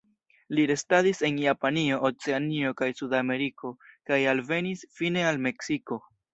Li restadis en Japanio, Oceanio kaj Sudameriko, kaj alvenis fine al Meksiko.